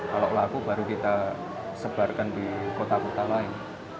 kalau laku baru kita sebarkan di kota kota lain